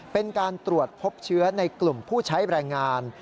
เป็นการตรวจพบเชื้อในกลุ่มผู้ใช้แรงงาน